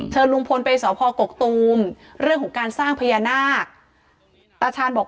ลุงพลไปสพกกตูมเรื่องของการสร้างพญานาคตาชาญบอก